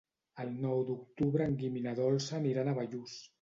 El nou d'octubre en Guim i na Dolça aniran a Bellús.